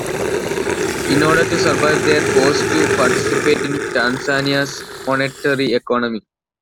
In order to survive they are forced to participate in Tanzania's monetary economy.